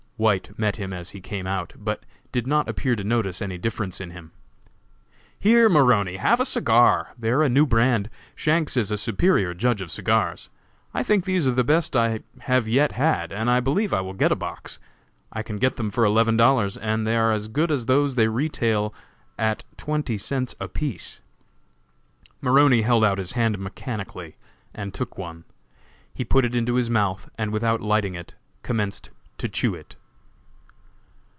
White met him as he came out, but did not appear to notice any difference in him. "Here, Maroney, have a cigar; they are a new brand. Shanks is a superior judge of cigars. I think these are the best I have yet had, and I believe I will get a box; I can get them for eleven dollars, and they are as good as those they retail at twenty cents a piece." Maroney held out his hand mechanically and took one. He put it into his mouth, and without lighting it, commenced to chew it.